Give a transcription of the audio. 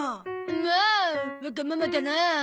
もうわがままだな。